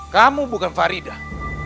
kamu bukan faridah